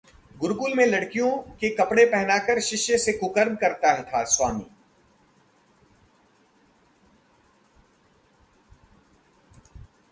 गुरुकुल में लड़कियों के कपड़े पहनाकर शिष्य से कुकर्म करता था स्वामी